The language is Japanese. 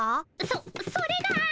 そそれが。